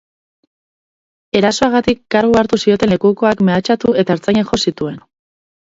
Erasoagatik kargu hartu zioten lekukoak mehatxatu eta ertzainak jo zituen.